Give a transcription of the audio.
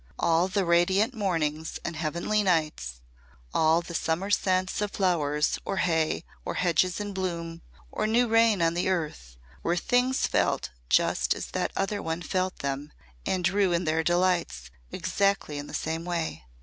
All the radiant mornings and heavenly nights, all the summer scents of flowers or hay or hedges in bloom, or new rain on the earth, were things felt just as that other one felt them and drew in their delights exactly in the same way.